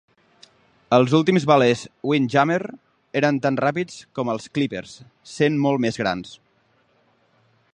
Els últims velers "windjammer" eren tan ràpids com els clípers, sent molt més grans.